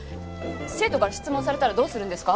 生徒から質問されたらどうするんですか？